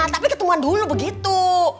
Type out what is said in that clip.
tapi ketemuan dulu begitu